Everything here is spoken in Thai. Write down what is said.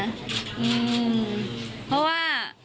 อืมเพราะว่า